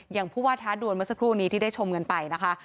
ผู้ว่าท้าดวนเมื่อสักครู่นี้ที่ได้ชมกันไปนะคะ